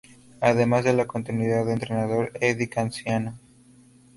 Además de la continuidad del entrenador Eddie Casiano.